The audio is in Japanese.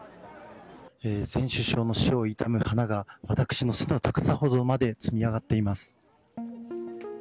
前首相の死を悼む花が私の背の高さほどまで積み上がっています。